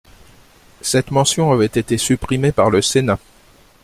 Cette mention avait été supprimée par le Sénat.